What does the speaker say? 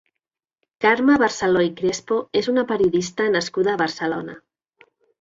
Carme Barceló i Crespo és una periodista nascuda a Barcelona.